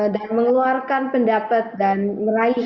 dan mengeluarkan pendapat dan meragukan